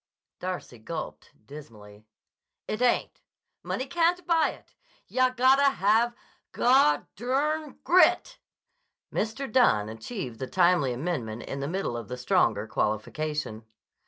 Darcy gulped dismally. "It ain't. Money can't buy it. Yah gotta have gu—grit." Mr. Dunne achieved the timely amendment in the middle of the stronger qualification.